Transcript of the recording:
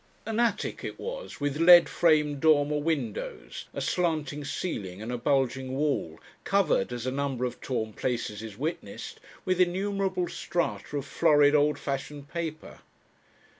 An attic it was, with lead framed dormer windows, a slanting ceiling and a bulging wall, covered, as a number of torn places witnessed, with innumerable strata of florid old fashioned paper.